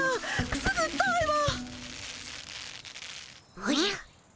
おじゃ！